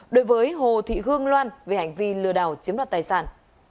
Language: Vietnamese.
đối với hồ thị hương loan về hành vi lừa đảo chiếm đoạt tài sản